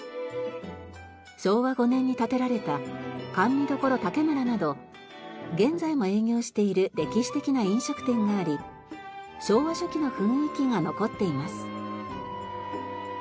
昭和５年に建てられた甘味処竹むらなど現在も営業している歴史的な飲食店があり昭和初期の雰囲気が残っています。